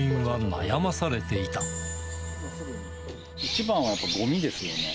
一番はやっぱごみですよね。